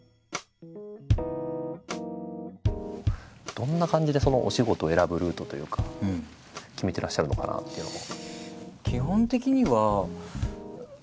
どんな感じでお仕事を選ぶルートというか決めてらっしゃるのかなっていうのを。